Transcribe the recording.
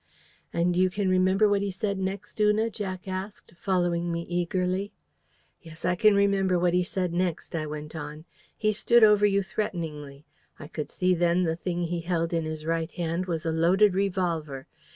"And you can remember what he said next, Una?" Jack asked, following me eagerly. "Yes, I can remember what he said next," I went on. "He stood over you threateningly. I could see then the thing he held in his right hand was a loaded revolver.